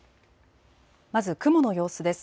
まず雲の様子です。